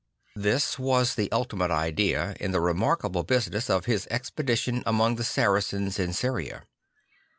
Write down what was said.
This was the ultimate idea in the remarkable business of his expedition among the Saracens in Syria.